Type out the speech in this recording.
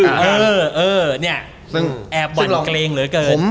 เออเนี่ยแอบหวั่นเกรงเหลือเกิน